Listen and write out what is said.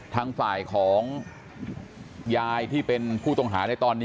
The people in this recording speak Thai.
ทางฝ่ายของยายที่เป็นผู้ต้องหาในตอนนี้